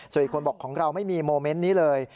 ส่วนอีกคนบอกของเราไม่มีโมเมนต์นี้เลย